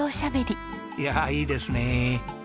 いやあいいですね。